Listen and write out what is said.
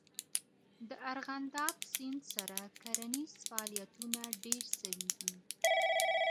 د ارغنداب سیند سره کرنیز فعالیتونه ډېر سوي دي.